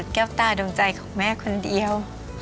แก้วตาดวงใจของแม่คนเดียว